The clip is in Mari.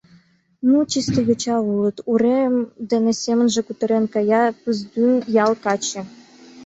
— Ну, чисте йоча улыт! — урем дене семынже кутырен кая Пыздӱҥ ял каче.